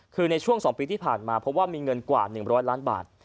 คือในช่วง๒ปีที่ผ่านมาเพราะว่ามีเงินกว่า๑๐๐ล้านบาท